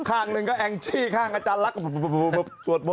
ข้างหนึ่งก็เอ็งจี้ข้างอาจารย์ลักษณ์ก็แบบตะบูดต่อใจ